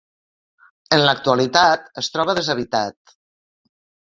En l'actualitat es troba deshabitat.